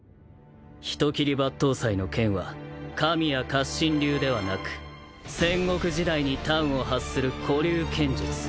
人斬り抜刀斎の剣は神谷活心流ではなく戦国時代に端を発する古流剣術。